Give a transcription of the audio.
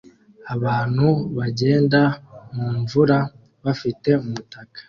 Abantu bagenda mumvura bafite umutaka